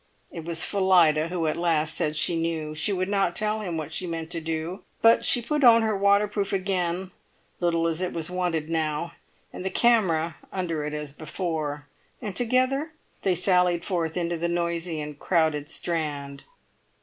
It was Phillida who at last said she knew. She would not tell him what she meant to do; but she put on her waterproof again, little as it was wanted now, and the camera under it as before; and together they sallied forth into the noisy and crowded Strand.